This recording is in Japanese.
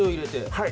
はい。